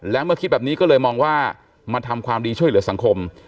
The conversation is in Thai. และเมื่อคิดแบบนี้ก็เลยมองว่ามาทำความดีช่วยเหลือสังคม